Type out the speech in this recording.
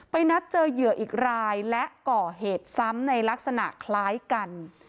นัดเจอเหยื่ออีกรายและก่อเหตุซ้ำในลักษณะคล้ายกัน